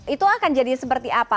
itu akan jadi seperti apa